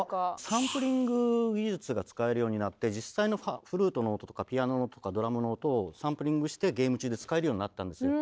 サンプリング技術が使えるようになって実際のフルートの音とかピアノの音とかドラムの音をサンプリングしてゲーム中で使えるようになったんですよ。